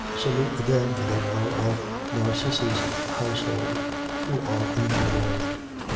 Salute them that are of Narcissus' household, who are in the Lord.